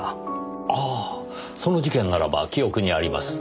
ああその事件ならば記憶にあります。